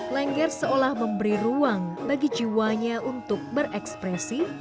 lengger seolah memberi ruang bagi jiwanya untuk berekspresi